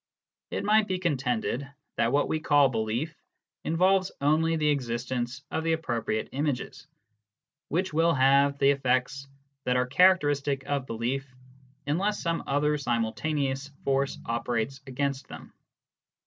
It might be contended that what we call belief involves only the existence of the appropriate images, which will have the effects that are characteristic of belief unless some other simultaneous force operates against them.